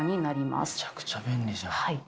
むちゃくちゃ便利じゃん。